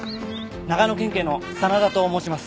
長野県警の真田と申します。